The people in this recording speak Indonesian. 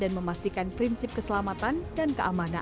dan memastikan prinsip keselamatan dan keamanan